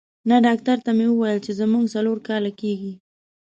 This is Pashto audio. نه، ډاکټر ته مې وویل چې زموږ څلور کاله کېږي.